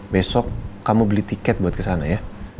besok kamu beli tiket buat kesana ya